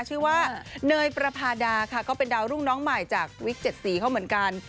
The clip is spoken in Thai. ชื่อว่าเนยประพาดาค่ะก็เป็นดาวรุ่งน้องใหม่จากวิก๗สีเขาเหมือนกัน